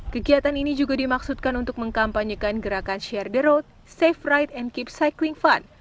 kegiatan ini juga dimaksudkan untuk mengkampanyekan gerakan share the road safe right and keep cycling fund